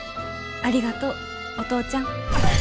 ありがとうお父ちゃん。